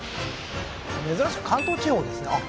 珍しく関東地方ですねあっ